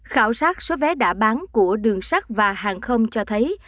khảo sát số vé đã bán của đường sắt và hàng không cho thấy